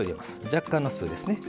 若干の酢ですね。